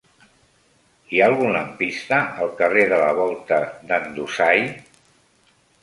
Hi ha algun lampista al carrer de la Volta d'en Dusai?